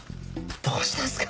どうしたんですか？